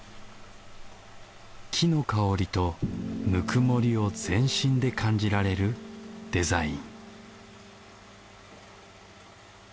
木の香りとぬくもりを全身で感じられるデザイン